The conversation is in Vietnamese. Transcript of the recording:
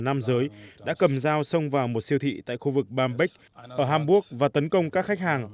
nam giới đã cầm dao xông vào một siêu thị tại khu vực bambeck ở hamburg và tấn công các khách hàng